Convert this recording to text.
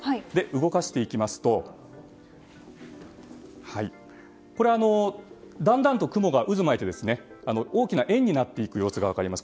動かしていきますとだんだんと雲が渦を巻いて大きな円になる様子が分かります。